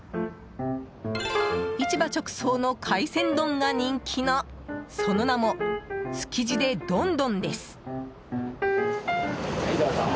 市場直送の海鮮丼が人気のその名も、つきじｄｅ丼どんです。